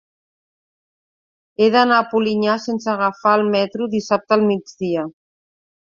He d'anar a Polinyà sense agafar el metro dissabte al migdia.